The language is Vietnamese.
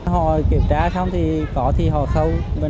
họ kiểm tra xong thì có thì họ sâu